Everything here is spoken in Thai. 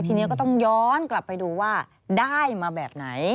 ทีนี้ก็ต้องย้อนกลับไปดูว่าได้มาแบบไหน